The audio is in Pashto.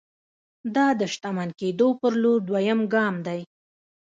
دا د شتمن کېدو پر لور دویم ګام دی